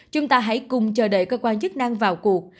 chúng ta hãy cùng chờ đợi cơ quan chức năng vào cuộc